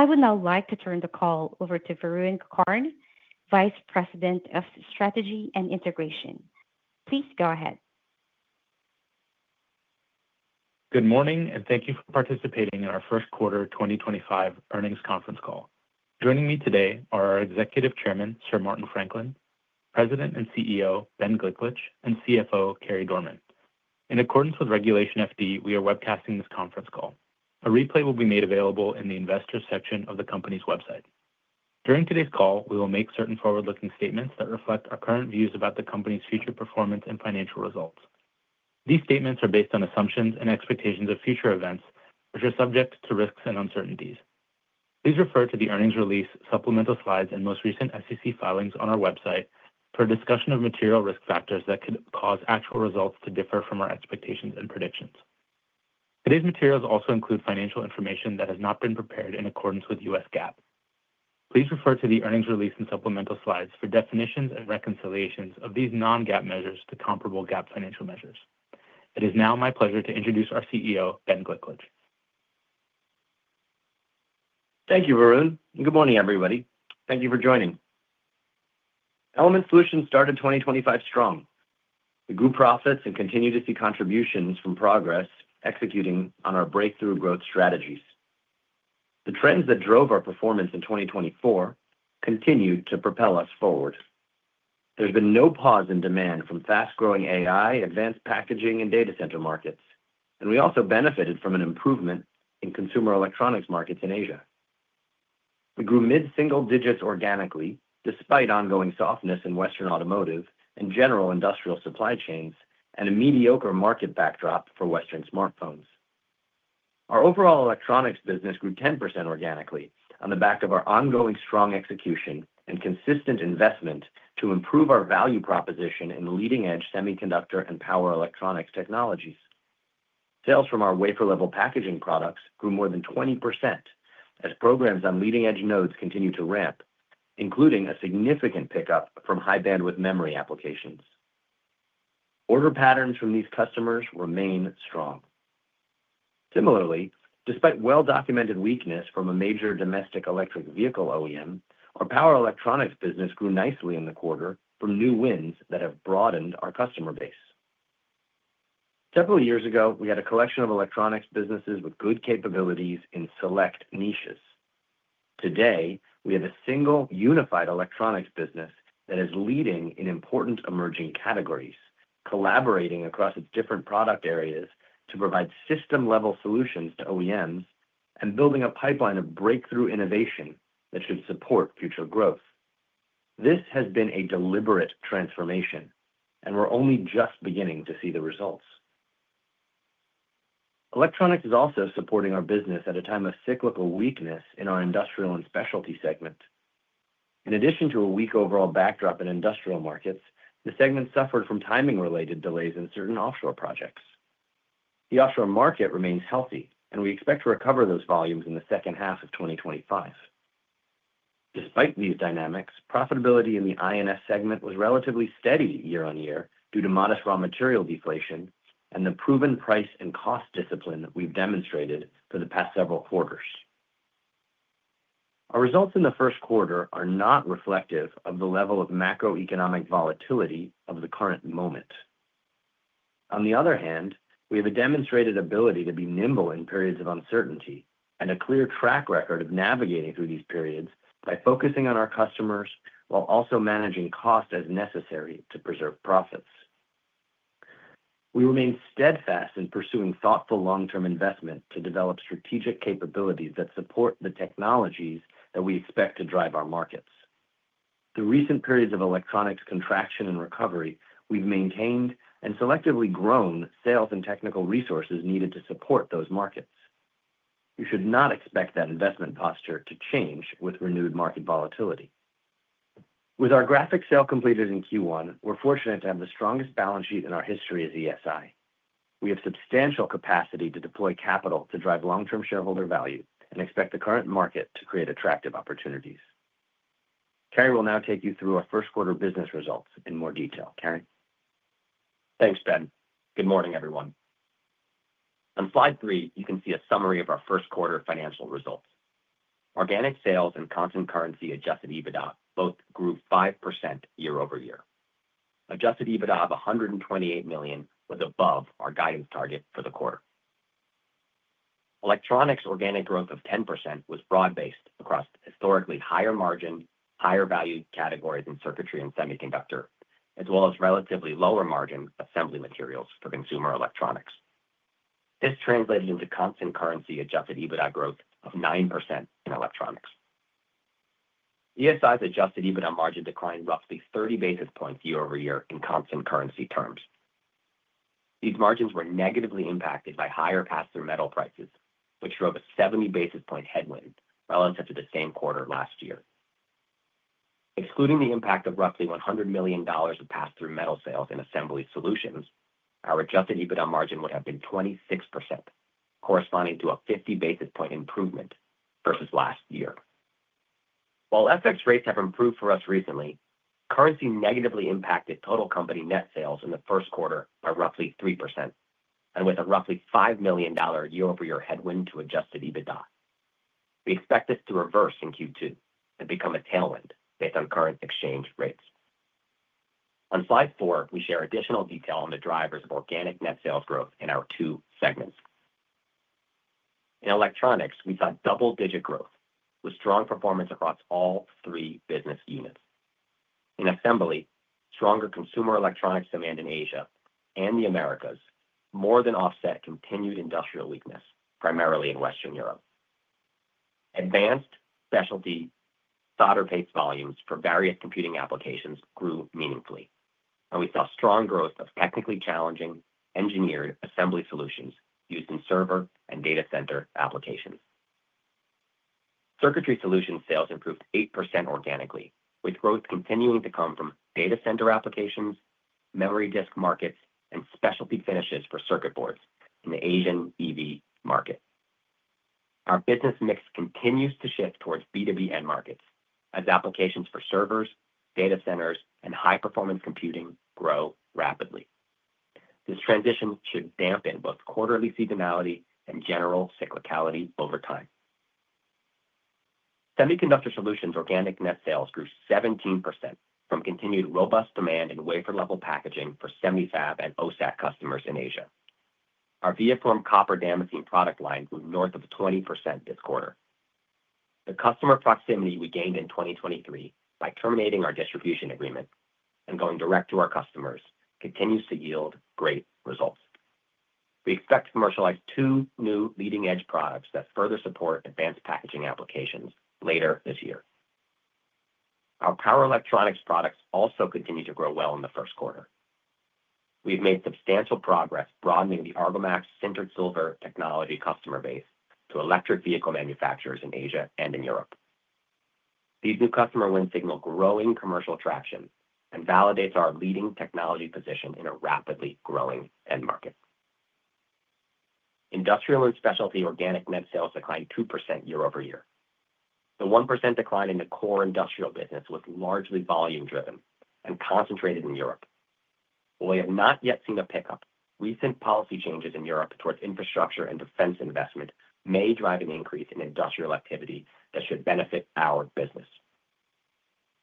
I would now like to turn the call over to Varun Gokarn, Vice President of Strategy and Integration. Please go ahead. Good morning, and thank you for participating in our first quarter 2025 earnings conference call. Joining me today are our Executive Chairman, Sir Martin Franklin; President and CEO Ben Gliklich, and CFO Carey Dorman. In accordance with Regulation FD, we are webcasting this conference call. A replay will be made available in the investor section of the company's website. During today's call, we will make certain forward-looking statements that reflect our current views about the company's future performance and financial results. These statements are based on assumptions and expectations of future events, which are subject to risks and uncertainties. Please refer to the earnings release, supplemental slides, and most recent SEC filings on our website for a discussion of material risk factors that could cause actual results to differ from our expectations and predictions. Today's materials also include financial information that has not been prepared in accordance with U.S. GAAP. Please refer to the earnings release and supplemental slides for definitions and reconciliations of these non-GAAP measures to comparable GAAP financial measures. It is now my pleasure to introduce our CEO, Ben Gliklich. Thank you, Varun. Good morning, everybody. Thank you for joining. Element Solutions started 2025 strong. We grew profits and continue to see contributions from progress executing on our breakthrough growth strategies. The trends that drove our performance in 2024 continue to propel us forward. There has been no pause in demand from fast-growing AI, advanced packaging, and data center markets, and we also benefited from an improvement in consumer electronics markets in Asia. We grew mid-single digits organically, despite ongoing softness in Western automotive and general industrial supply chains and a mediocre market backdrop for Western smartphones. Our overall electronics business grew 10% organically on the back of our ongoing strong execution and consistent investment to improve our value proposition in leading-edge semiconductor and power electronics technologies. Sales from our wafer-level packaging products grew more than 20% as programs on leading-edge nodes continue to ramp, including a significant pickup from high-bandwidth memory applications. Order patterns from these customers remain strong. Similarly, despite well-documented weakness from a major domestic electric vehicle OEM, our power electronics business grew nicely in the quarter from new wins that have broadened our customer base. Several years ago, we had a collection of electronics businesses with good capabilities in select niches. Today, we have a single unified electronics business that is leading in important emerging categories, collaborating across its different product areas to provide system-level solutions to OEMs and building a pipeline of breakthrough innovation that should support future growth. This has been a deliberate transformation, and we're only just beginning to see the results. Electronics is also supporting our business at a time of cyclical weakness in our industrial and specialty segment. In addition to a weak overall backdrop in industrial markets, the segment suffered from timing-related delays in certain offshore projects. The offshore market remains healthy, and we expect to recover those volumes in the second half of 2025. Despite these dynamics, profitability in the I&S segment was relatively steady year-on-year due to modest raw material deflation and the proven price and cost discipline we've demonstrated for the past several quarters. Our results in the first quarter are not reflective of the level of macroeconomic volatility of the current moment. On the other hand, we have a demonstrated ability to be nimble in periods of uncertainty and a clear track record of navigating through these periods by focusing on our customers while also managing cost as necessary to preserve profits. We remain steadfast in pursuing thoughtful long-term investment to develop strategic capabilities that support the technologies that we expect to drive our markets. Through recent periods of electronics contraction and recovery, we've maintained and selectively grown sales and technical resources needed to support those markets. We should not expect that investment posture to change with renewed market volatility. With our Graphics sale completed in Q1, we're fortunate to have the strongest balance sheet in our history as ESI. We have substantial capacity to deploy capital to drive long-term shareholder value and expect the current market to create attractive opportunities. Carey will now take you through our first quarter business results in more detail. Carey? Thanks, Ben. Good morning, everyone. On slide three, you can see a summary of our first quarter financial results. Organic sales and constant currency adjusted EBITDA both grew 5% year-over-year. Adjusted EBITDA of $128 million was above our guidance target for the quarter. Electronics organic growth of 10% was broad-based across historically higher margin, higher value categories in circuitry and semiconductor, as well as relatively lower margin assembly materials for consumer electronics. This translated into constant currency adjusted EBITDA growth of 9% in electronics. ESI's adjusted EBITDA margin declined roughly 30 basis points year-over-year in constant currency terms. These margins were negatively impacted by higher pass-through metal prices, which drove a 70 basis point headwind relative to the same quarter last year. Excluding the impact of roughly $100 million of pass-through metal sales in assembly solutions, our adjusted EBITDA margin would have been 26%, corresponding to a 50 basis point improvement versus last year. While FX rates have improved for us recently, currency negatively impacted total company net sales in the first quarter by roughly 3% and with a roughly $5 million year-over-year headwind to adjusted EBITDA. We expect this to reverse in Q2 and become a tailwind based on current exchange rates. On slide four, we share additional detail on the drivers of organic net sales growth in our two segments. In electronics, we saw double-digit growth with strong performance across all three business units. In assembly, stronger consumer electronics demand in Asia and the Americas more than offset continued industrial weakness, primarily in Western Europe. Advanced specialty solder paste volumes for various computing applications grew meaningfully, and we saw strong growth of technically challenging engineered assembly solutions used in server and data center applications. Circuitry solution sales improved 8% organically, with growth continuing to come from data center applications, memory disk markets, and specialty finishes for circuit boards in the Asian EV market. Our business mix continues to shift towards B2B end markets as applications for servers, data centers, and high-performance computing grow rapidly. This transition should dampen both quarterly seasonality and general cyclicality over time. Semiconductor solutions organic net sales grew 17% from continued robust demand in wafer-level packaging for Semi-Fab and OSAT customers in Asia. Our ViaForm copper damascene product line grew north of 20% this quarter. The customer proximity we gained in 2023 by terminating our distribution agreement and going direct to our customers continues to yield great results. We expect to commercialize two new leading-edge products that further support advanced packaging applications later this year. Our power electronics products also continue to grow well in the first quarter. We have made substantial progress broadening the Argomax sintered silver technology customer base to electric vehicle manufacturers in Asia and in Europe. These new customer wins signal growing commercial traction and validate our leading technology position in a rapidly growing end market. Industrial and specialty organic net sales declined 2% year-over-year. The 1% decline in the core industrial business was largely volume-driven and concentrated in Europe. While we have not yet seen a pickup, recent policy changes in Europe towards infrastructure and defense investment may drive an increase in industrial activity that should benefit our business.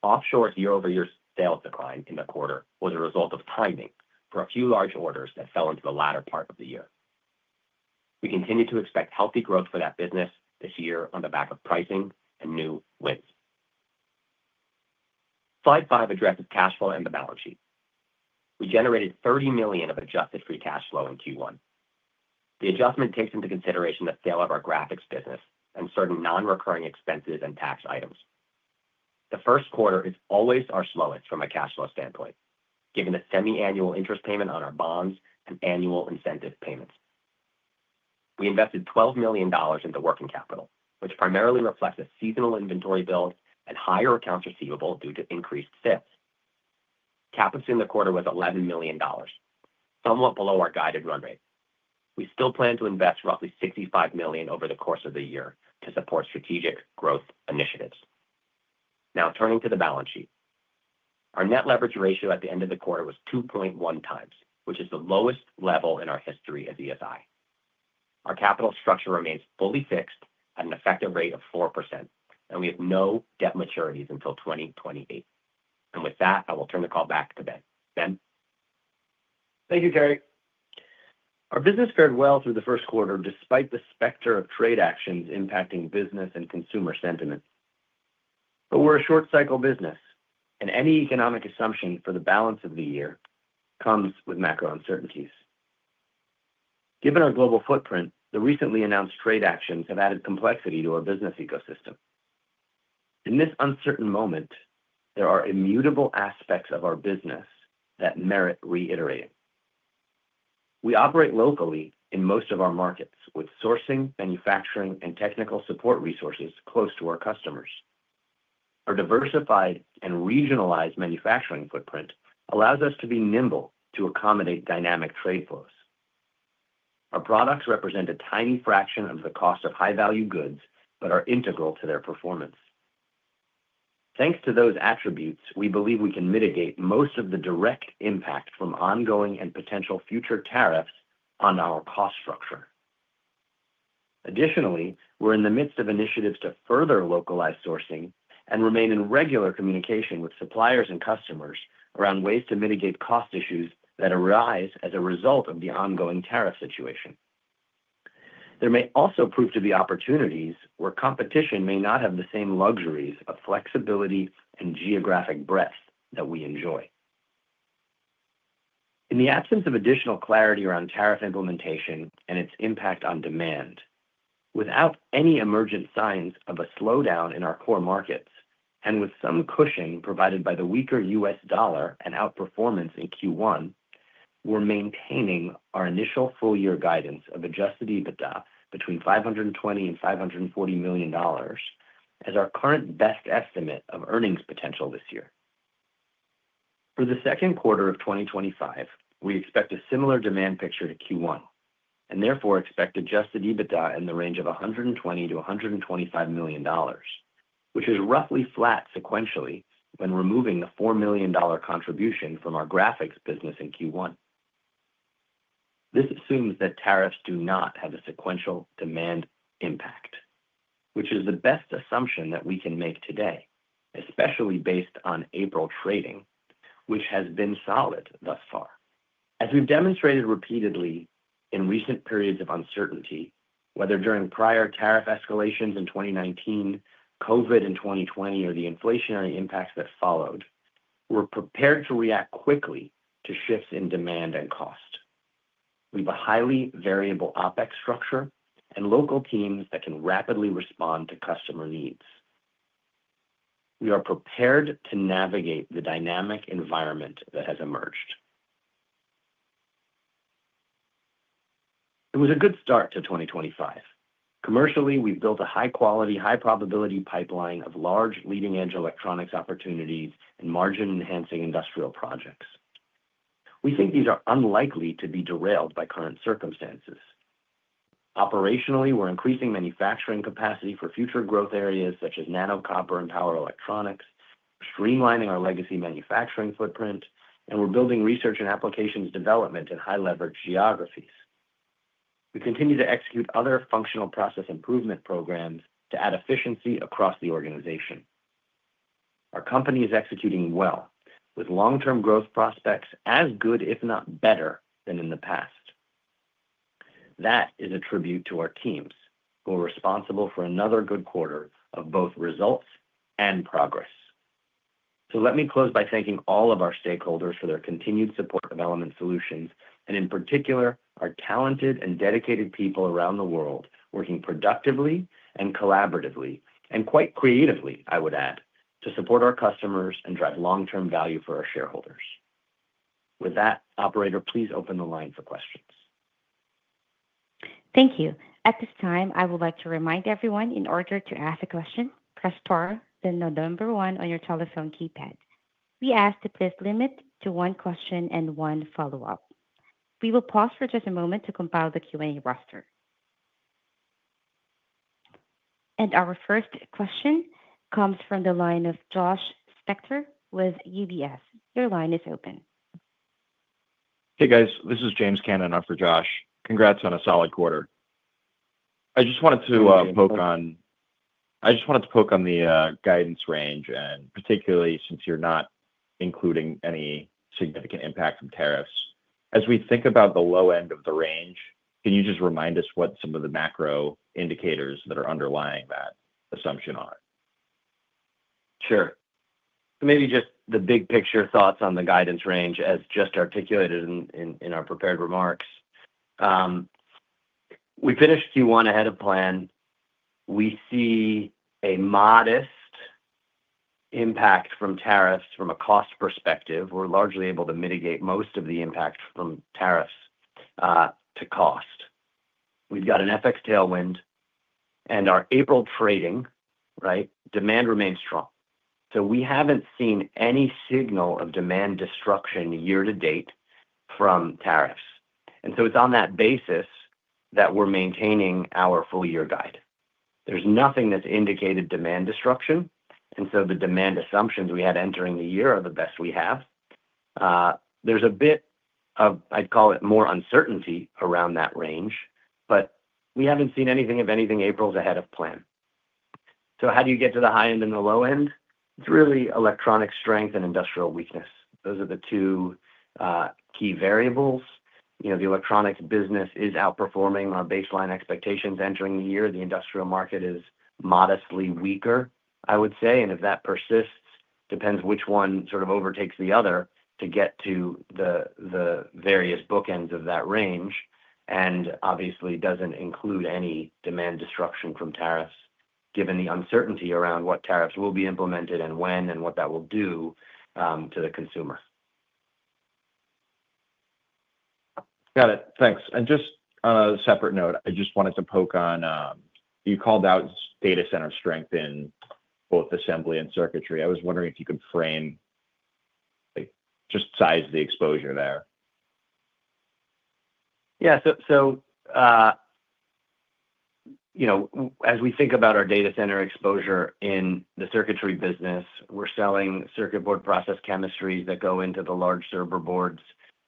Offshore's year-over-year sales decline in the quarter was a result of timing for a few large orders that fell into the latter part of the year. We continue to expect healthy growth for that business this year on the back of pricing and new wins. Slide five addresses cash flow and the balance sheet. We generated $30 million of adjusted free cash flow in Q1. The adjustment takes into consideration the sale of our Graphics business and certain non-recurring expenses and tax items. The first quarter is always our slowest from a cash flow standpoint, given the semi-annual interest payment on our bonds and annual incentive payments. We invested $12 million into working capital, which primarily reflects a seasonal inventory build and higher accounts receivable due to increased sales. CapEx in the quarter was $11 million, somewhat below our guided run rate. We still plan to invest roughly $65 million over the course of the year to support strategic growth initiatives. Now turning to the balance sheet, our net leverage ratio at the end of the quarter was 2.1 times, which is the lowest level in our history as ESI. Our capital structure remains fully fixed at an effective rate of 4%, and we have no debt maturities until 2028. With that, I will turn the call back to Ben. Ben? Thank you, Carey. Our business fared well through the first quarter despite the specter of trade actions impacting business and consumer sentiment. We are a short-cycle business, and any economic assumption for the balance of the year comes with macro uncertainties. Given our global footprint, the recently announced trade actions have added complexity to our business ecosystem. In this uncertain moment, there are immutable aspects of our business that merit reiterating. We operate locally in most of our markets, with sourcing, manufacturing, and technical support resources close to our customers. Our diversified and regionalized manufacturing footprint allows us to be nimble to accommodate dynamic trade flows. Our products represent a tiny fraction of the cost of high-value goods but are integral to their performance. Thanks to those attributes, we believe we can mitigate most of the direct impact from ongoing and potential future tariffs on our cost structure. Additionally, we're in the midst of initiatives to further localize sourcing and remain in regular communication with suppliers and customers around ways to mitigate cost issues that arise as a result of the ongoing tariff situation. There may also prove to be opportunities where competition may not have the same luxuries of flexibility and geographic breadth that we enjoy. In the absence of additional clarity around tariff implementation and its impact on demand, without any emergent signs of a slowdown in our core markets and with some cushion provided by the weaker US dollar and outperformance in Q1, we're maintaining our initial full-year guidance of adjusted EBITDA between $520 million and $540 million as our current best estimate of earnings potential this year. For the second quarter of 2025, we expect a similar demand picture to Q1 and therefore expect adjusted EBITDA in the range of $120 million-$125 million, which is roughly flat sequentially when removing the $4 million contribution from our Graphics business in Q1. This assumes that tariffs do not have a sequential demand impact, which is the best assumption that we can make today, especially based on April trading, which has been solid thus far. As we've demonstrated repeatedly in recent periods of uncertainty, whether during prior tariff escalations in 2019, COVID in 2020, or the inflationary impacts that followed, we're prepared to react quickly to shifts in demand and cost. We have a highly variable OpEx structure and local teams that can rapidly respond to customer needs. We are prepared to navigate the dynamic environment that has emerged. It was a good start to 2025. Commercially, we've built a high-quality, high-probability pipeline of large leading-edge electronics opportunities and margin-enhancing industrial projects. We think these are unlikely to be derailed by current circumstances. Operationally, we're increasing manufacturing capacity for future growth areas such as nano-copper and power electronics, streamlining our legacy manufacturing footprint, and we're building research and applications development in high-leverage geographies. We continue to execute other functional process improvement programs to add efficiency across the organization. Our company is executing well, with long-term growth prospects as good, if not better, than in the past. That is a tribute to our teams, who are responsible for another good quarter of both results and progress. Let me close by thanking all of our stakeholders for their continued support of Element Solutions and, in particular, our talented and dedicated people around the world working productively and collaboratively and quite creatively, I would add, to support our customers and drive long-term value for our shareholders. With that, operator, please open the line for questions. Thank you. At this time, I would like to remind everyone in order to ask a question, press star, then number one on your telephone keypad. We ask to please limit to one question and one follow-up. We will pause for just a moment to compile the Q&A roster. Our first question comes from the line of Josh Spector with UBS. Your line is open. Hey, guys. This is James Cannon for Josh. Congrats on a solid quarter. I just wanted to poke on. Thank you. I just wanted to poke on the guidance range and particularly since you're not including any significant impact from tariffs. As we think about the low end of the range, can you just remind us what some of the macro indicators that are underlying that assumption are? Sure. Maybe just the big picture thoughts on the guidance range as just articulated in our prepared remarks. We finished Q1 ahead of plan. We see a modest impact from tariffs from a cost perspective. We're largely able to mitigate most of the impact from tariffs to cost. We've got an FX tailwind, and our April trading, right, demand remains strong. We haven't seen any signal of demand destruction year to date from tariffs. It is on that basis that we're maintaining our full-year guide. There's nothing that's indicated demand destruction, and the demand assumptions we had entering the year are the best we have. There's a bit of, I'd call it, more uncertainty around that range, but we haven't seen anything. If anything, April's ahead of plan. How do you get to the high end and the low end? It's really electronic strength and industrial weakness. Those are the two key variables. The electronics business is outperforming our baseline expectations entering the year. The industrial market is modestly weaker, I would say, and if that persists, depends which one sort of overtakes the other to get to the various bookends of that range and obviously doesn't include any demand destruction from tariffs, given the uncertainty around what tariffs will be implemented and when and what that will do to the consumer. Got it. Thanks. Just on a separate note, I just wanted to poke on you called out data center strength in both assembly and circuitry. I was wondering if you could frame just size the exposure there. Yeah. As we think about our data center exposure in the circuitry business, we're selling circuit board process chemistries that go into the large server boards.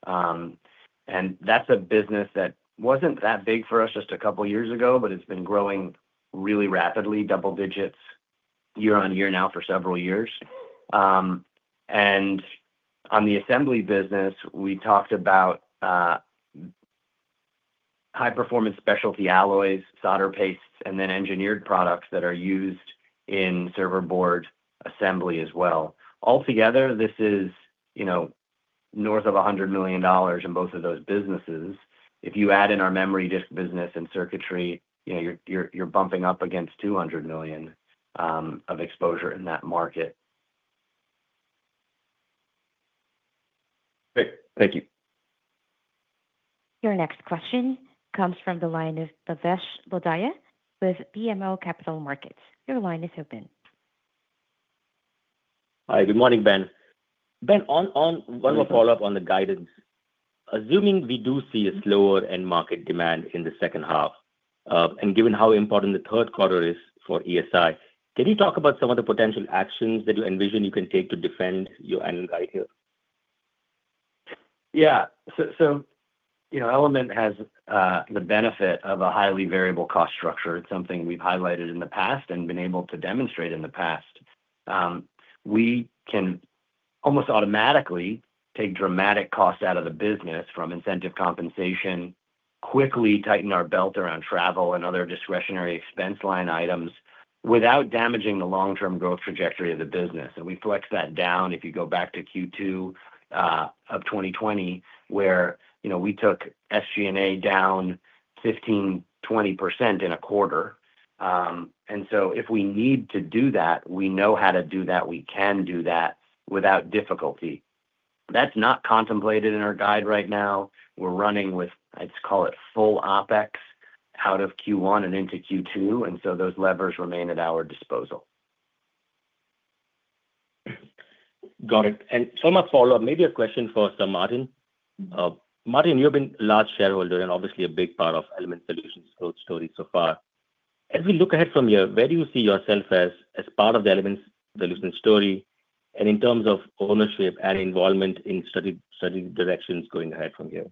That's a business that wasn't that big for us just a couple of years ago, but it's been growing really rapidly, double digits year on year now for several years. On the assembly business, we talked about high-performance specialty alloys, solder pastes, and then engineered products that are used in server board assembly as well. Altogether, this is north of $100 million in both of those businesses. If you add in our memory disk business and circuitry, you're bumping up against $200 million of exposure in that market. Great. Thank you. Your next question comes from the line of Bhavesh Lodaya with BMO Capital Markets. Your line is open. Hi. Good morning, Ben. Ben, one more follow-up on the guidance. Assuming we do see a slower end market demand in the second half, and given how important the third quarter is for ESI, can you talk about some of the potential actions that you envision you can take to defend your end guide here? Yeah. Element Solutions has the benefit of a highly variable cost structure. It's something we've highlighted in the past and been able to demonstrate in the past. We can almost automatically take dramatic costs out of the business from incentive compensation, quickly tighten our belt around travel and other discretionary expense line items without damaging the long-term growth trajectory of the business. We flex that down if you go back to Q2 of 2020, where we took SG&A down 15%-20% in a quarter. If we need to do that, we know how to do that. We can do that without difficulty. That's not contemplated in our guide right now. We're running with, I'd call it, full OpEx out of Q1 and into Q2, and those levers remain at our disposal. Got it. Someone follow-up, maybe a question for Martin. Martin, you've been a large shareholder and obviously a big part of Element Solutions' growth story so far. As we look ahead from here, where do you see yourself as part of the Element Solutions story and in terms of ownership and involvement in study directions going ahead from here?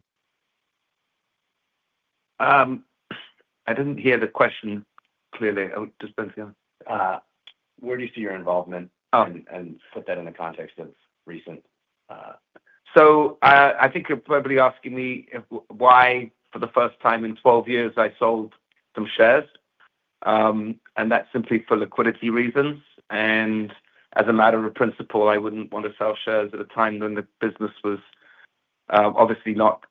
I didn't hear the question clearly. I was just asking Ben? Where do you see your involvement? Put that in the context of recent. I think you're probably asking me why for the first time in 12 years I sold some shares, and that's simply for liquidity reasons. As a matter of principle, I wouldn't want to sell shares at a time when the business was obviously not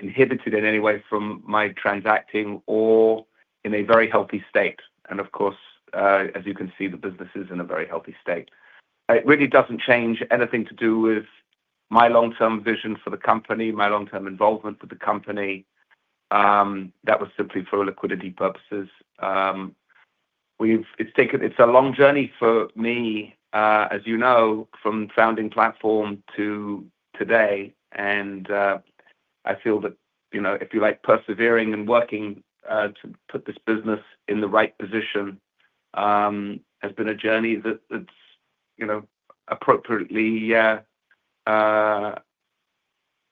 inhibited in any way from my transacting or in a very healthy state. Of course, as you can see, the business is in a very healthy state. It really doesn't change anything to do with my long-term vision for the company, my long-term involvement with the company. That was simply for liquidity purposes. It's a long journey for me, as you know, from founding platform to today. I feel that if you like persevering and working to put this business in the right position, it has been a journey that's appropriately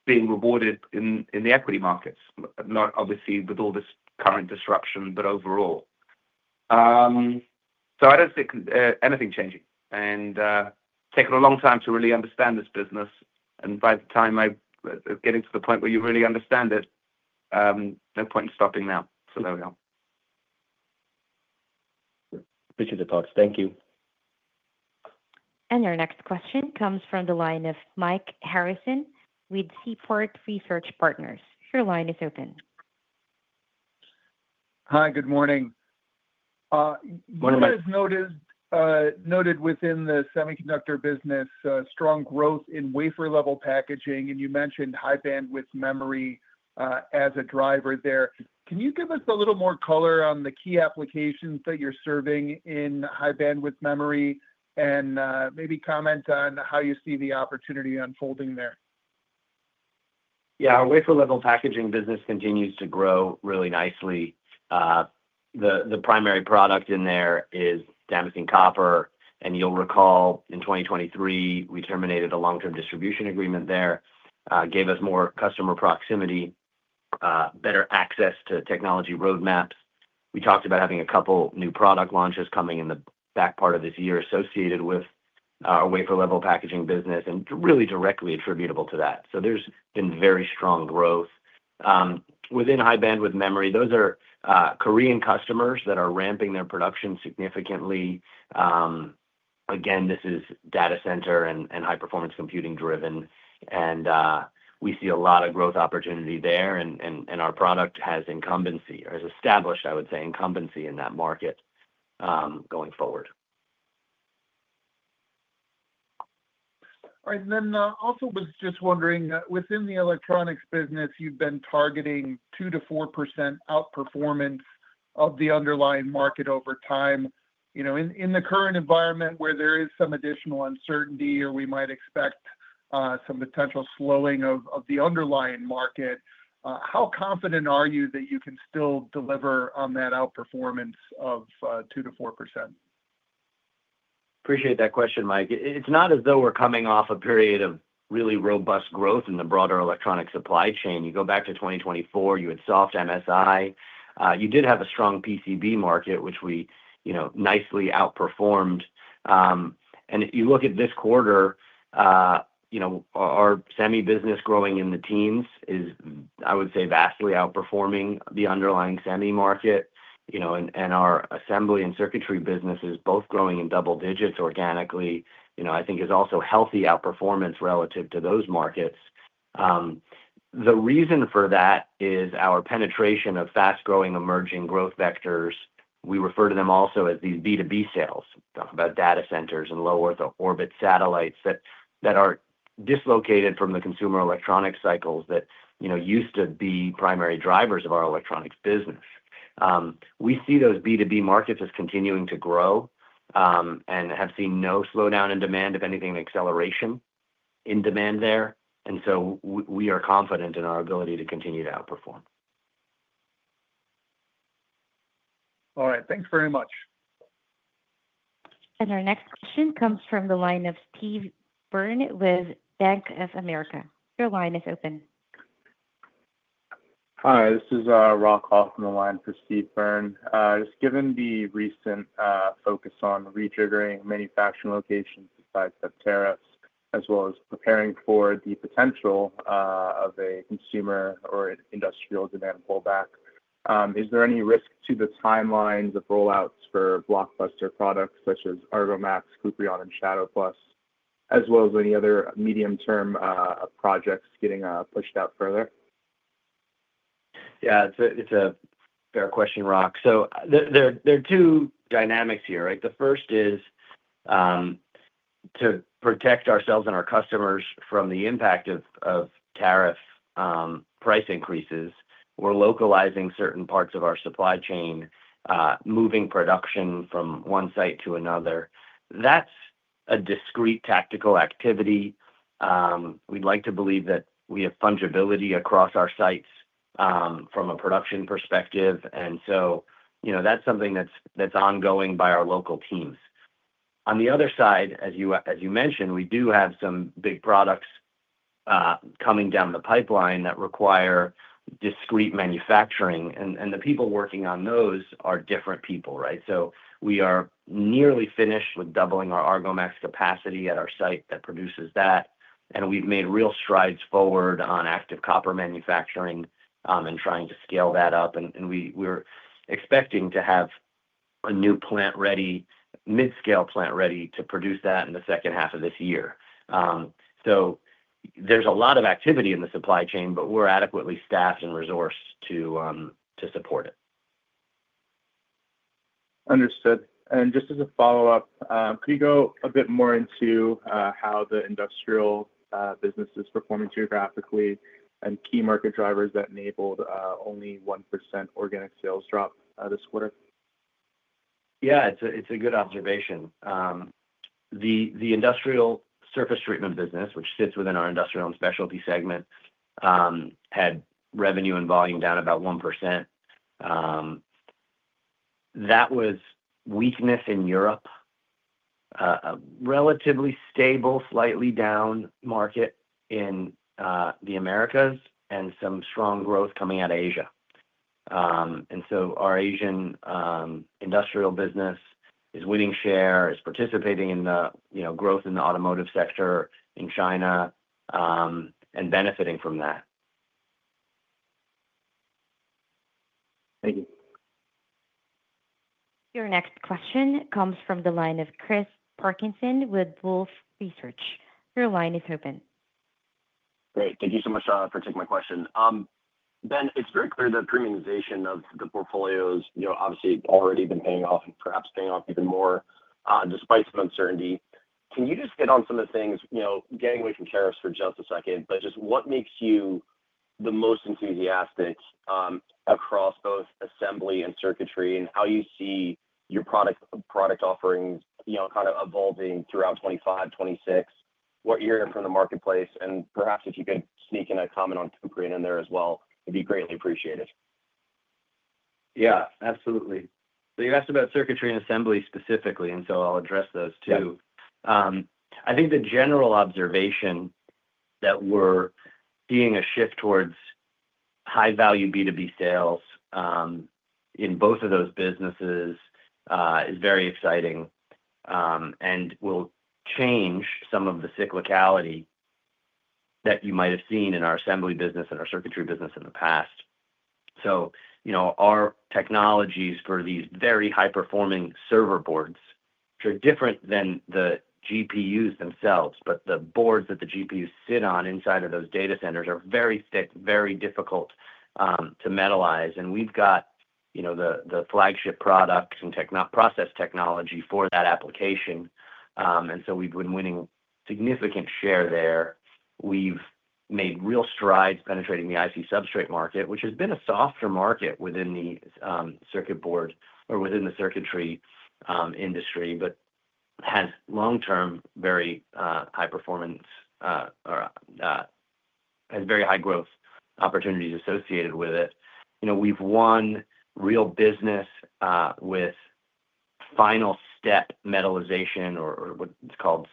being rewarded in the equity markets, obviously with all this current disruption, but overall. I don't see anything changing. It's taken a long time to really understand this business. By the time I get into the point where you really understand it, no point in stopping now. There we are. Appreciate the thoughts. Thank you. Your next question comes from the line of Mike Harrison with Seaport Research Partners. Your line is open. Hi. Good morning. Morning, Mike. Noted within the semiconductor business, strong growth in wafer-level packaging, and you mentioned high-bandwidth memory as a driver there. Can you give us a little more color on the key applications that you're serving in high-bandwidth memory and maybe comment on how you see the opportunity unfolding there? Yeah. Our wafer-level packaging business continues to grow really nicely. The primary product in there is damascene copper. And you'll recall in 2023, we terminated a long-term distribution agreement there, gave us more customer proximity, better access to technology roadmaps. We talked about having a couple of new product launches coming in the back part of this year associated with our wafer-level packaging business and really directly attributable to that. There has been very strong growth. Within high-bandwidth memory, those are Korean customers that are ramping their production significantly. Again, this is data center and high-performance computing driven. We see a lot of growth opportunity there, and our product has incumbency or has established, I would say, incumbency in that market going forward. All right. I was just wondering, within the electronics business, you've been targeting 2%-4% outperformance of the underlying market over time. In the current environment where there is some additional uncertainty or we might expect some potential slowing of the underlying market, how confident are you that you can still deliver on that outperformance of 2%-4%? Appreciate that question, Mike. It's not as though we're coming off a period of really robust growth in the broader electronic supply chain. You go back to 2024, you had soft MSI. You did have a strong PCB market, which we nicely outperformed. You look at this quarter, our semi business growing in the teens is, I would say, vastly outperforming the underlying semi market. Our assembly and circuitry business is both growing in double digits organically, I think is also healthy outperformance relative to those markets. The reason for that is our penetration of fast-growing emerging growth vectors. We refer to them also as these B2B sales, talking about data centers and Low Earth Orbit satellites that are dislocated from the consumer electronics cycles that used to be primary drivers of our electronics business. We see those B2B markets as continuing to grow and have seen no slowdown in demand, if anything, an acceleration in demand there. We are confident in our ability to continue to outperform. All right. Thanks very much. Our next question comes from the line of Steve Byrne with Bank of America. Your line is open. Hi. This is Rock Hoffman on the line for Steve Byrne. Just given the recent focus on rejiggering manufacturing locations besides the tariffs, as well as preparing for the potential of a consumer or industrial demand pullback, is there any risk to the timelines of rollouts for blockbuster products such as Argomax, Kuprion, and Shadow Plus, as well as any other medium-term projects getting pushed out further? Yeah. It's a fair question, Rock. There are two dynamics here, right? The first is to protect ourselves and our customers from the impact of tariff price increases. We're localizing certain parts of our supply chain, moving production from one site to another. That's a discrete tactical activity. We'd like to believe that we have fungibility across our sites from a production perspective. That's something that's ongoing by our local teams. On the other side, as you mentioned, we do have some big products coming down the pipeline that require discrete manufacturing. The people working on those are different people, right? We are nearly finished with doubling our Argomax capacity at our site that produces that. We've made real strides forward on ActiveCopper manufacturing and trying to scale that up. We are expecting to have a new plant ready, mid-scale plant ready to produce that in the second half of this year. There is a lot of activity in the supply chain, but we are adequately staffed and resourced to support it. Understood. Just as a follow-up, could you go a bit more into how the industrial business is performing geographically and key market drivers that enabled only 1% organic sales drop this quarter? Yeah. It's a good observation. The industrial surface treatment business, which sits within our industrial and specialty segment, had revenue and volume down about 1%. That was weakness in Europe, relatively stable, slightly down market in the Americas, and some strong growth coming out of Asia. Our Asian industrial business is winning share, is participating in the growth in the automotive sector in China, and benefiting from that. Thank you. Your next question comes from the line of Chris Parkinson with Wolfe Research. Your line is open. Great. Thank you so much for taking my question. Ben, it's very clear that premiumization of the portfolios obviously has already been paying off and perhaps paying off even more despite some uncertainty. Can you just hit on some of the things, getting away from tariffs for just a second, but just what makes you the most enthusiastic across both assembly and circuitry and how you see your product offerings kind of evolving throughout 2025, 2026, what you're hearing from the marketplace? And perhaps if you could sneak in a comment on Kuprion in there as well, it'd be greatly appreciated. Yeah. Absolutely. You asked about circuitry and assembly specifically, and I'll address those too. I think the general observation that we're seeing a shift towards high-value B2B sales in both of those businesses is very exciting and will change some of the cyclicality that you might have seen in our assembly business and our circuitry business in the past. Our technologies for these very high-performing server boards, which are different than the GPUs themselves, but the boards that the GPUs sit on inside of those data centers, are very thick, very difficult to metalize. We've got the flagship product and process technology for that application. We've been winning a significant share there. We've made real strides penetrating the IC substrate market, which has been a softer market within the circuit board or within the circuitry industry, but has long-term very high performance or has very high growth opportunities associated with it. We've won real business with final step metalization or what's called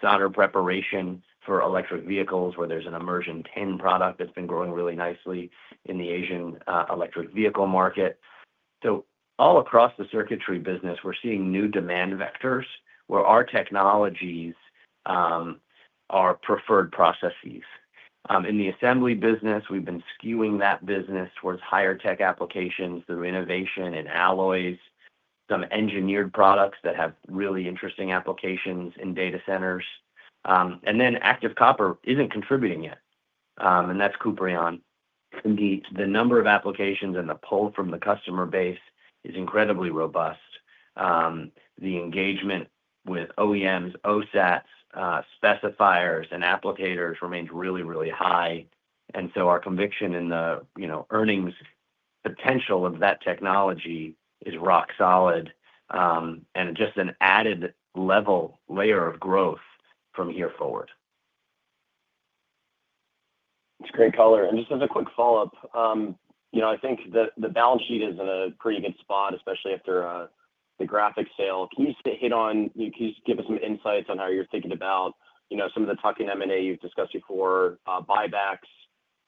solder preparation for electric vehicles, where there's an immersion tin product that's been growing really nicely in the Asian electric vehicle market. All across the circuitry business, we're seeing new demand vectors where our technologies are preferred processes. In the assembly business, we've been skewing that business towards higher tech applications, the renovation and alloys, some engineered products that have really interesting applications in data centers. ActiveCopper isn't contributing yet, and that's Kuprion. Indeed, the number of applications and the pull from the customer base is incredibly robust. The engagement with OEMs, OSATs, specifiers, and applicators remains really, really high. Our conviction in the earnings potential of that technology is rock solid and just an added layer of growth from here forward. That's great color. Just as a quick follow-up, I think the balance sheet is in a pretty good spot, especially after the Graphics sale. Can you hit on, can you give us some insights on how you're thinking about some of the tucking M&A you've discussed before, buybacks,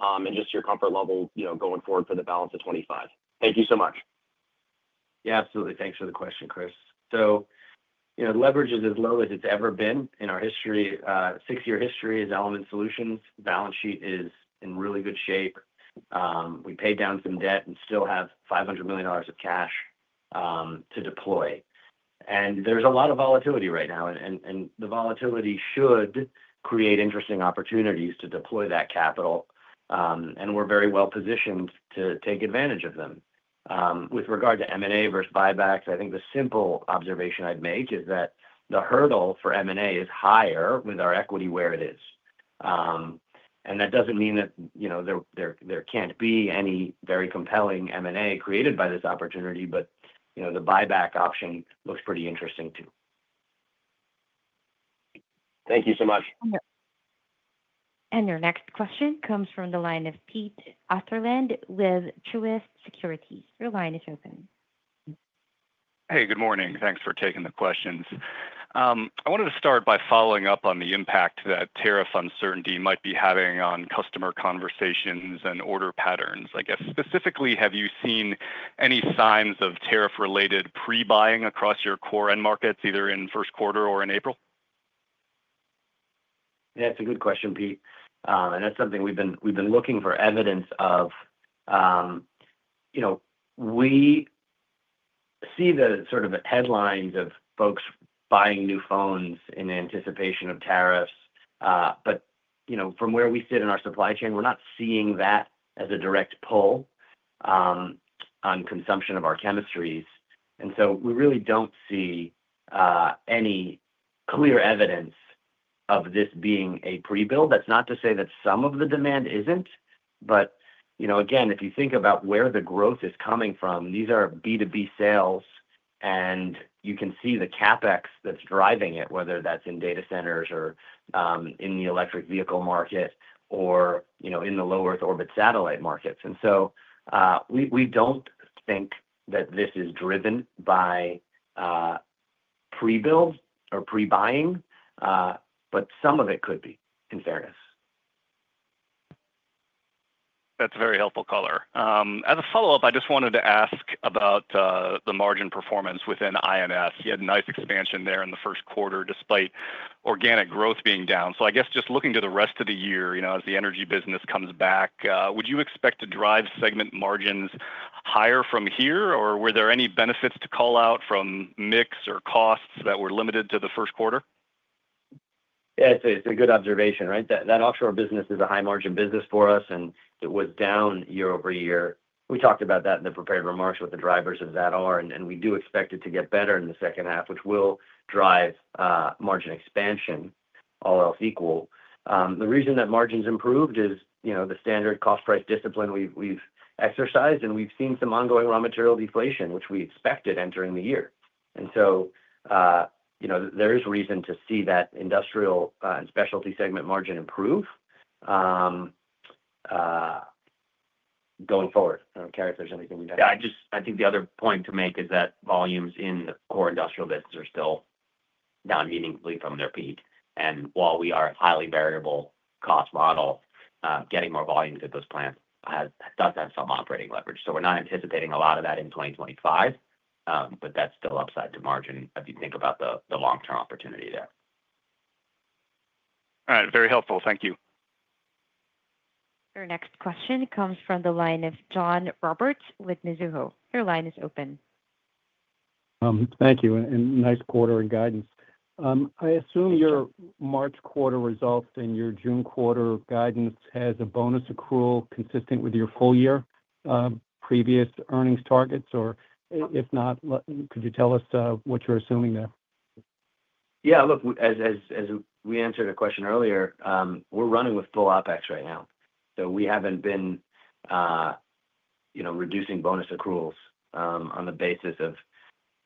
and just your comfort level going forward for the balance of 2025? Thank you so much. Yeah. Absolutely. Thanks for the question, Chris. Leverage is as low as it's ever been in our history. Six-year history is Element Solutions. Balance sheet is in really good shape. We paid down some debt and still have $500 million of cash to deploy. There is a lot of volatility right now. The volatility should create interesting opportunities to deploy that capital. We are very well positioned to take advantage of them. With regard to M&A versus buybacks, I think the simple observation I'd make is that the hurdle for M&A is higher with our equity where it is. That does not mean that there cannot be any very compelling M&A created by this opportunity, but the buyback option looks pretty interesting too. Thank you so much. Your next question comes from the line of Pete Osterland with Truist Securities. Your line is open. Hey, good morning. Thanks for taking the questions. I wanted to start by following up on the impact that tariff uncertainty might be having on customer conversations and order patterns. I guess specifically, have you seen any signs of tariff-related pre-buying across your core end markets, either in first quarter or in April? Yeah. It's a good question, Pete. That's something we've been looking for evidence of. We see the sort of headlines of folks buying new phones in anticipation of tariffs. From where we sit in our supply chain, we're not seeing that as a direct pull on consumption of our chemistries. We really don't see any clear evidence of this being a pre-build. That's not to say that some of the demand isn't. Again, if you think about where the growth is coming from, these are B2B sales, and you can see the CapEx that's driving it, whether that's in data centers or in the electric vehicle market or in the low-earth orbit satellite markets. We don't think that this is driven by pre-build or pre-buying, but some of it could be in fairness. That's a very helpful color. As a follow-up, I just wanted to ask about the margin performance within I&S. You had a nice expansion there in the first quarter despite organic growth being down. I guess just looking to the rest of the year as the energy business comes back, would you expect to drive segment margins higher from here, or were there any benefits to call out from mix or costs that were limited to the first quarter? Yeah. It's a good observation, right? That offshore business is a high-margin business for us, and it was down year over year. We talked about that in the prepared remarks with the drivers of that are, and we do expect it to get better in the second half, which will drive margin expansion, all else equal. The reason that margins improved is the standard cost-price discipline we've exercised, and we've seen some ongoing raw material deflation, which we expected entering the year. There is reason to see that industrial and specialty segment margin improve going forward. I don't care if there's anything we don't know. Yeah. I think the other point to make is that volumes in the core industrial business are still down meaningfully from their peak. While we are a highly variable cost model, getting more volume to those plants does have some operating leverage. We are not anticipating a lot of that in 2025, but that is still upside to margin if you think about the long-term opportunity there. All right. Very helpful. Thank you. Your next question comes from the line of John Roberts with Mizuho. Your line is open. Thank you. Nice quarter and guidance. I assume your March quarter results and your June quarter guidance has a bonus accrual consistent with your full year previous earnings targets, or if not, could you tell us what you're assuming there? Yeah. Look, as we answered a question earlier, we're running with full OpEx right now. We haven't been reducing bonus accruals on the basis of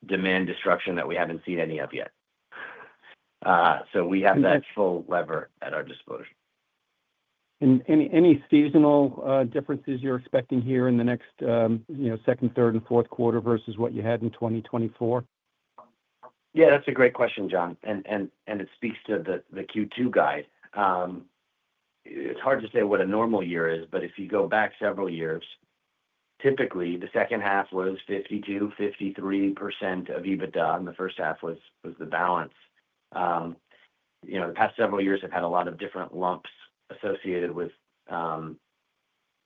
demand destruction that we haven't seen any of yet. We have that full lever at our disposal. there any seasonal differences you're expecting here in the next second, third, and fourth quarter versus what you had in 2024? Yeah. That's a great question, John. It speaks to the Q2 guide. It's hard to say what a normal year is, but if you go back several years, typically the second half was 52%-53% of EBITDA, and the first half was the balance. The past several years have had a lot of different lumps associated with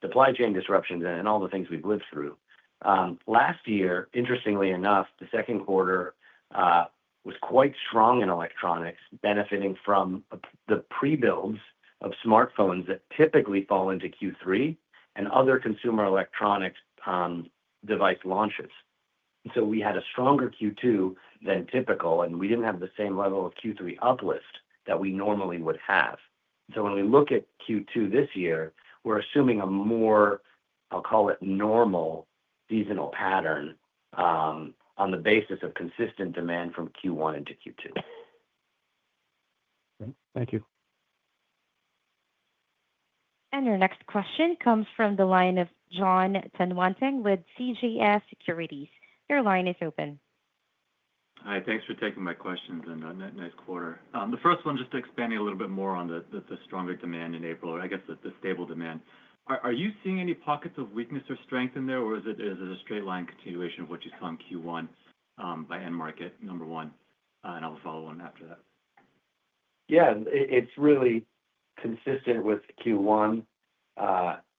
supply chain disruptions and all the things we've lived through. Last year, interestingly enough, the second quarter was quite strong in electronics, benefiting from the pre-builds of smartphones that typically fall into Q3 and other consumer electronics device launches. We had a stronger Q2 than typical, and we didn't have the same level of Q3 uplift that we normally would have. When we look at Q2 this year, we're assuming a more, I'll call it normal seasonal pattern on the basis of consistent demand from Q1 into Q2. Thank you. Your next question comes from the line of Jon Tanwanteng with CJS Securities. Your line is open. Hi. Thanks for taking my questions and that nice quarter. The first one, just expanding a little bit more on the stronger demand in April, or I guess the stable demand. Are you seeing any pockets of weakness or strength in there, or is it a straight line continuation of what you saw in Q1 by end market, number one? I'll follow on after that. Yeah. It's really consistent with Q1.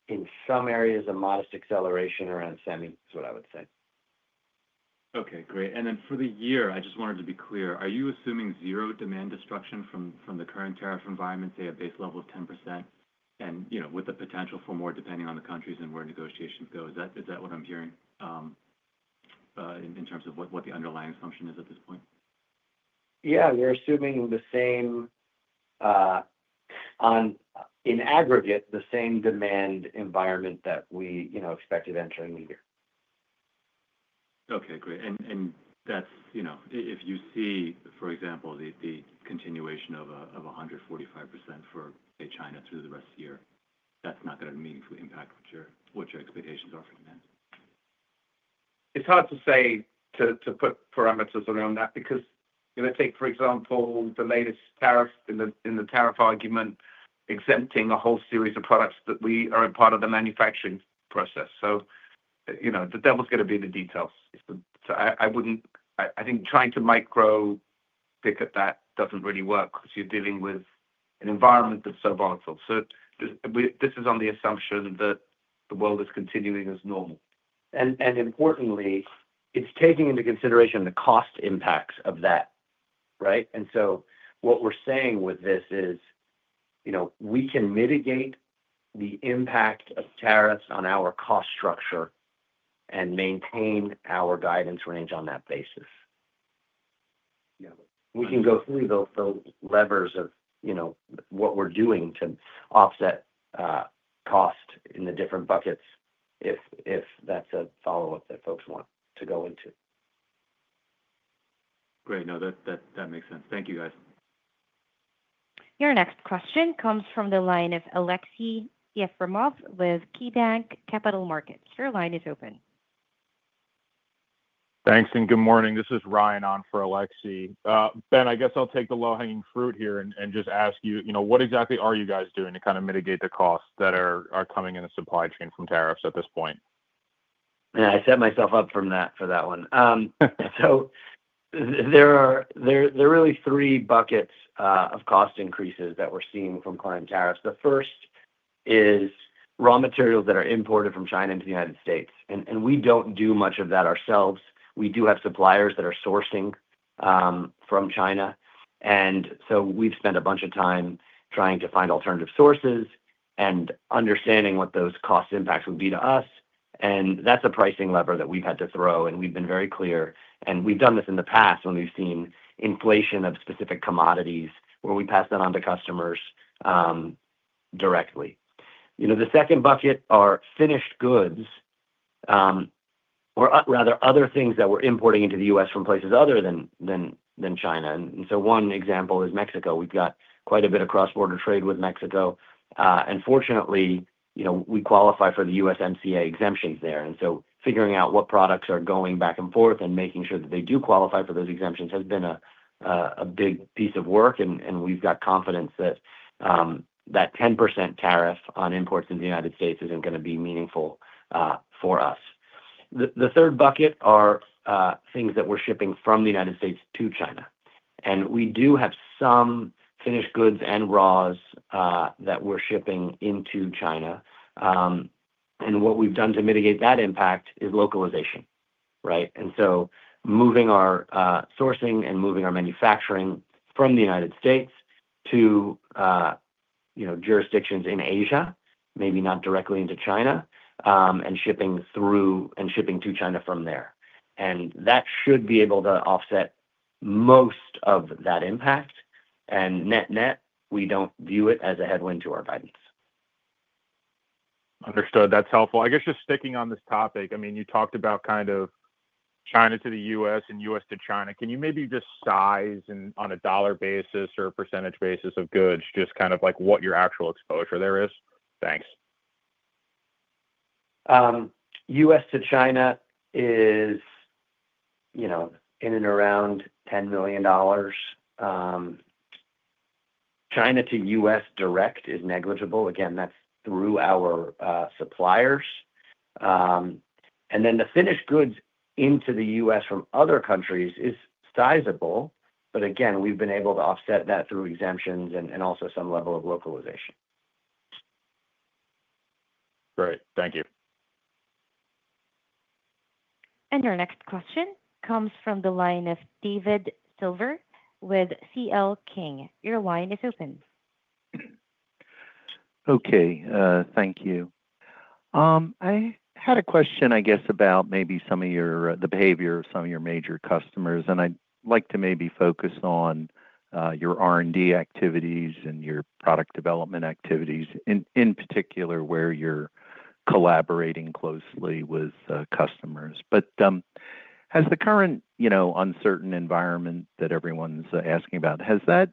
In some areas, a modest acceleration around semi is what I would say. Okay. Great. For the year, I just wanted to be clear. Are you assuming zero demand destruction from the current tariff environment, say a base level of 10%, and with the potential for more depending on the countries and where negotiations go? Is that what I'm hearing in terms of what the underlying assumption is at this point? Yeah. We're assuming in aggregate the same demand environment that we expected entering the year. Okay. Great. If you see, for example, the continuation of 145% for, say, China through the rest of the year, that's not going to meaningfully impact what your expectations are for demand? It's hard to say to put parameters around that because let's take, for example, the latest tariff in the tariff argument exempting a whole series of products that we are a part of the manufacturing process. The devil's going to be in the details. I think trying to micro-pick at that doesn't really work because you're dealing with an environment that's so volatile. This is on the assumption that the world is continuing as normal. Importantly, it's taking into consideration the cost impacts of that, right? What we're saying with this is we can mitigate the impact of tariffs on our cost structure and maintain our guidance range on that basis. We can go through the levers of what we're doing to offset cost in the different buckets if that's a follow-up that folks want to go into. Great. No, that makes sense. Thank you, guys. Your next question comes from the line of Aleksey Yefremov with KeyBanc Capital Markets. Your line is open. Thanks. Good morning. This is Ryan on for Aleksey. Ben, I guess I'll take the low-hanging fruit here and just ask you, what exactly are you guys doing to kind of mitigate the costs that are coming in the supply chain from tariffs at this point? Yeah. I set myself up for that one. There are really three buckets of cost increases that we're seeing from client tariffs. The first is raw materials that are imported from China into the United States. We do not do much of that ourselves. We do have suppliers that are sourcing from China, and we have spent a bunch of time trying to find alternative sources and understanding what those cost impacts would be to us. That is a pricing lever that we have had to throw, and we have been very clear. We have done this in the past when we have seen inflation of specific commodities where we pass that on to customers directly. The second bucket is finished goods or rather other things that we are importing into the U.S. from places other than China. One example is Mexico. We've got quite a bit of cross-border trade with Mexico. Fortunately, we qualify for the USMCA exemptions there. Figuring out what products are going back and forth and making sure that they do qualify for those exemptions has been a big piece of work. We've got confidence that that 10% tariff on imports in the United States isn't going to be meaningful for us. The third bucket are things that we're shipping from the United States to China. We do have some finished goods and raws that we're shipping into China. What we've done to mitigate that impact is localization, right? Moving our sourcing and moving our manufacturing from the United States to jurisdictions in Asia, maybe not directly into China, and shipping through and shipping to China from there. That should be able to offset most of that impact. Net-net, we don't view it as a headwind to our guidance. Understood. That's helpful. I guess just sticking on this topic, I mean, you talked about kind of China to the U.S. and U.S. to China. Can you maybe just size on a dollar basis or a percentage basis of goods, just kind of like what your actual exposure there is? Thanks. U.S. to China is in and around $10 million. China to U.S. direct is negligible. Again, that's through our suppliers. The finished goods into the U.S. from other countries is sizable. We have been able to offset that through exemptions and also some level of localization. Great. Thank you. Your next question comes from the line of David Silver with C.L. King. Your line is open. Okay. Thank you. I had a question, I guess, about maybe some of the behavior of some of your major customers. I’d like to maybe focus on your R&D activities and your product development activities, in particular where you’re collaborating closely with customers. Has the current uncertain environment that everyone’s asking about, has that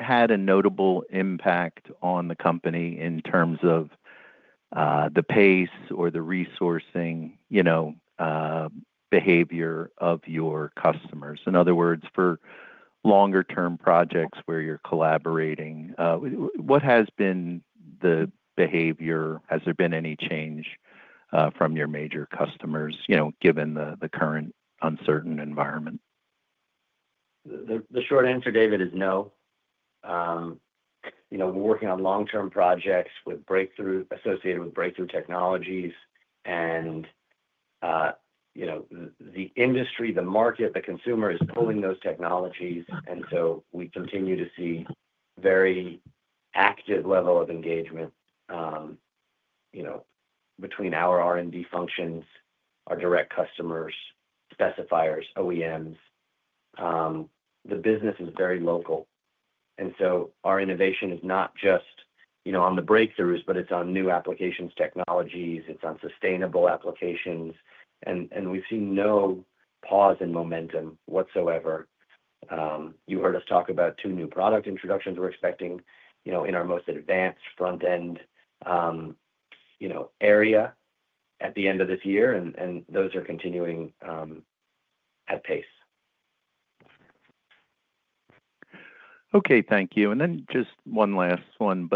had a notable impact on the company in terms of the pace or the resourcing behavior of your customers? In other words, for longer-term projects where you’re collaborating, what has been the behavior? Has there been any change from your major customers given the current uncertain environment? The short answer, David, is no. We're working on long-term projects associated with breakthrough technologies. The industry, the market, the consumer is pulling those technologies. We continue to see a very active level of engagement between our R&D functions, our direct customers, specifiers, OEMs. The business is very local. Our innovation is not just on the breakthroughs, but it's on new applications, technologies. It's on sustainable applications. We've seen no pause in momentum whatsoever. You heard us talk about two new product introductions we're expecting in our most advanced front-end area at the end of this year. Those are continuing at pace. Okay. Thank you. Just one last one.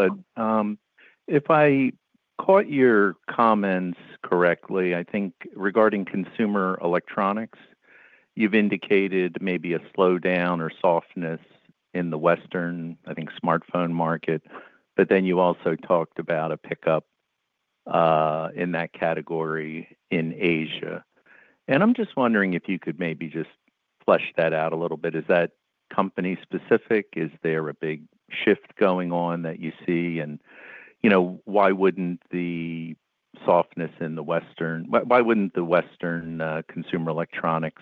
If I caught your comments correctly, I think regarding consumer electronics, you've indicated maybe a slowdown or softness in the Western, I think, smartphone market. You also talked about a pickup in that category in Asia. I'm just wondering if you could maybe just flesh that out a little bit. Is that company-specific? Is there a big shift going on that you see? Why wouldn't the softness in the Western, why wouldn't the Western consumer electronics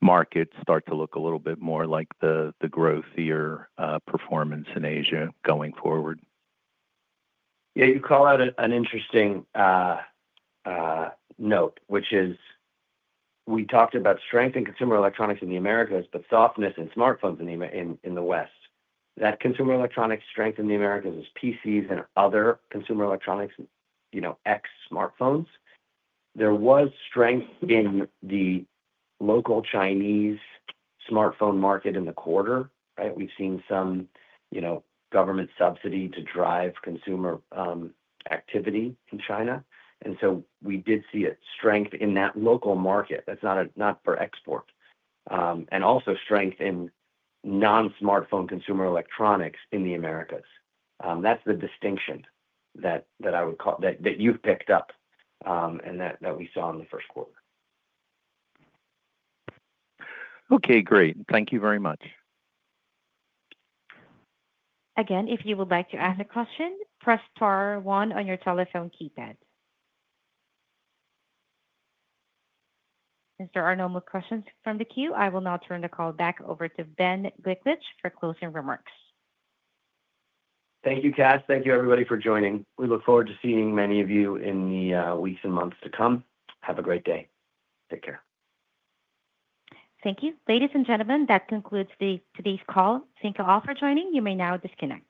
market start to look a little bit more like the growthier performance in Asia going forward? Yeah. You call out an interesting note, which is we talked about strength in consumer electronics in the Americas, but softness in smartphones in the West. That consumer electronics strength in the Americas is PCs and other consumer electronics, X smartphones. There was strength in the local Chinese smartphone market in the quarter, right? We've seen some government subsidy to drive consumer activity in China. We did see a strength in that local market. That's not for export. Also strength in non-smartphone consumer electronics in the Americas. That's the distinction that I would call that you've picked up and that we saw in the first quarter. Okay. Great. Thank you very much. Again, if you would like to ask a question, press star one on your telephone keypad. There are no more questions from the queue. I will now turn the call back over to Ben Gliklich for closing remarks. Thank you, Cass. Thank you, everybody, for joining. We look forward to seeing many of you in the weeks and months to come. Have a great day. Take care. Thank you. Ladies and gentlemen, that concludes today's call. Thank you all for joining. You may now disconnect.